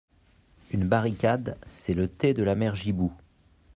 Une barricade, c'est le thé de la mère Gibou.